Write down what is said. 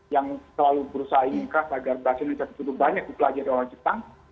yang selalu berusaha ingin berhasil berhasil mencetak cukup banyak buku ajar dari orang jepang